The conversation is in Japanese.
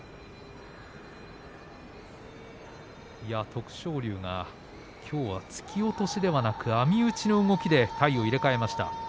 徳勝龍がきょうは突き落としではなくて網打ちの動きで体を入れ替えました。